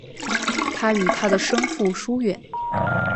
他与他的生父疏远。